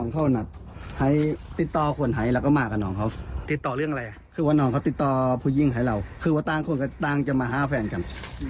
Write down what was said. พูดยิ่งให้เราคือว่าต่างคนกับต่างจะมาหาแฟนกัน